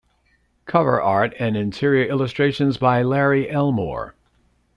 Cover art and interior illustrations by Larry Elmore.